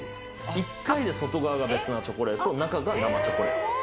１回で外側が別なチョコレート中が生チョコレート。